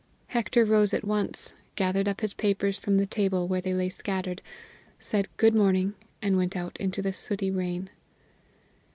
Hector rose at once, gathered up his papers from the table where they lay scattered, said "Good morning," and went out into the sooty rain.